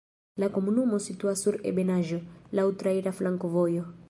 La komunumo situas sur ebenaĵo, laŭ traira flankovojo.